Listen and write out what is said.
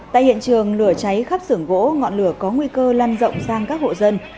tại hiện trường lửa cháy khắp sưởng gỗ ngọn lửa có nguy cơ lan rộng sang các hộ dân